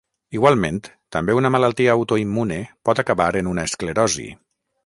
Igualment, també una malaltia autoimmune pot acabar en una esclerosi.